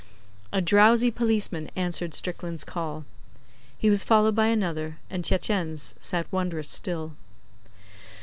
A drowsy policeman answered Strickland's call. He was followed by another, and Tietjens sat wondrous still.